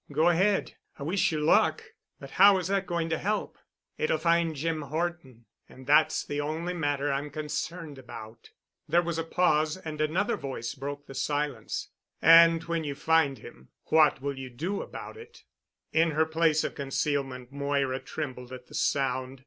"Go ahead. I wish you luck. But how is that going to help?" "It'll find Jim Horton. And that's the only matter I'm concerned about." There was a pause, and another voice broke the silence. "And when you find him what will you do about it?" In her place of concealment Moira trembled at the sound.